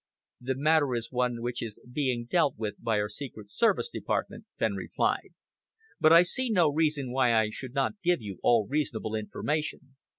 "The matter is one which is being dealt with by our secret service department," Fenn replied, "but I see no reason why I should not give you all reasonable information.